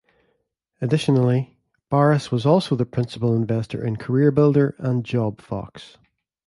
Additionally, Barris was also the principal investor in CareerBuilder and JobFox.